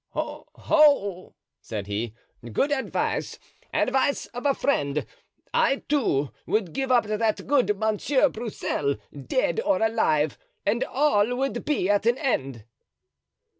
"Ho! ho!" said he, "good advice, advice of a friend. I, too, would give up that good Monsieur Broussel, dead or alive, and all would be at an end."